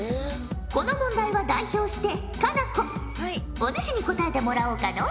お主に答えてもらおうかのう。